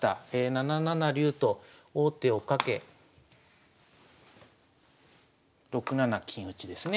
７七竜と王手をかけ６七金打ですね。